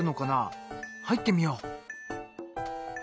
入ってみよう。